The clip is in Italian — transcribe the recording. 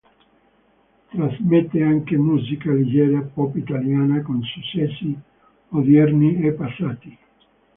Trasmette anche musica leggera pop italiana con successi odierni e passati.